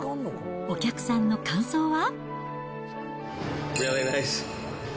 お客さんの感想は。